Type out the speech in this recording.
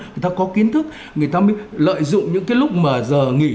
người ta có kiến thức người ta mới lợi dụng những cái lúc mà giờ nghỉ